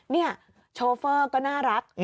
นี่โชเฟอร์ก็น่ารัก